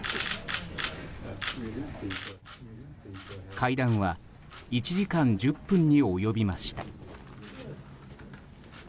会談は１時間１０分に及びました。